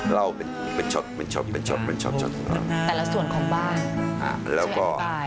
เล่าเป็นเป็นเป็นเป็นเป็นแต่ละส่วนของบ้านแล้วก็